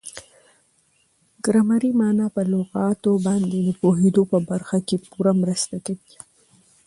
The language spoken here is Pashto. ګرامري مانا په لغاتو باندي د پوهېدو په برخه کښي پوره مرسته کوي.